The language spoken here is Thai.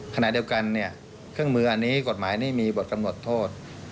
ขณะเดียวกันเนี่ยเครื่องมืออันนี้กฎหมายนี่มีบทกำหนดโทษ